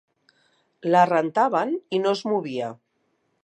La rentaven i no es movia